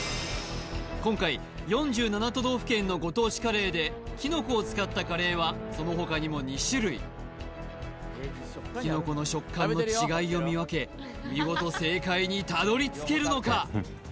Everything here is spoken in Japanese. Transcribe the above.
今回４７都道府県のご当地カレーできのこを使ったカレーはその他にも２種類きのこの食感の違いを見分け見事正解にたどりつけるのか？